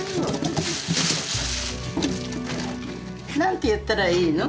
何て言ったらいいの？